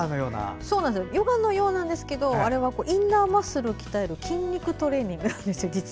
ヨガのようなんですけどあれはインナーマッスルを鍛える筋肉トレーニングなんですよ。